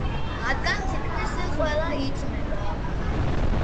მათგან თითქმის ყველა იჭმება.